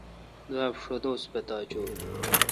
دوا بہ ݭہ دوس پتا چویں